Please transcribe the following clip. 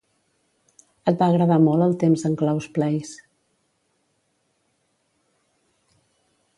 Et va agradar molt el temps en Klaus 'Place.